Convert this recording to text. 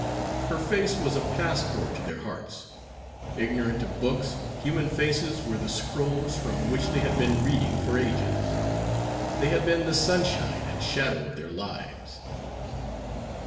Her face was a passport to their hearts. Ignorant of books, human faces were the scrolls from which they had been reading for ages. They had been the sunshine and shadow of their lives.